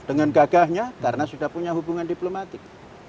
dengan gagahnya karena sudah punya hubungan diplomatik